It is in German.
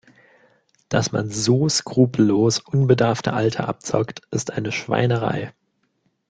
Dass man so skrupellos unbedarfte Alte abzockt, ist eine Schweinerei!